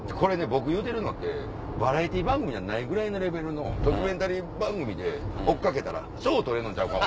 僕言うてるのってバラエティー番組じゃないぐらいのレベルのドキュメンタリー番組で追っ掛けたら賞取れんのちゃうか？